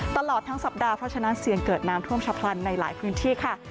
ตลอดทั้งสัปดาห์เพราะฉะนั้นเสี่ยงเกิดน้ำท่วมฉับพลันในหลายพื้นที่ค่ะ